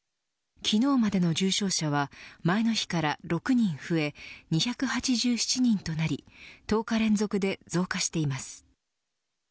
昨日までの重症者は前の日から６人増え２８７人となり１０日連続で増加しています。